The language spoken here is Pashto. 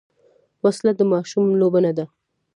وسله د ماشوم لوبه نه ده